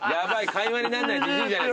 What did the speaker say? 会話になんないジジイじゃない。